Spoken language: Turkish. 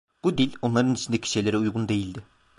Bu dil, onların içindeki şeylere uygun değildi.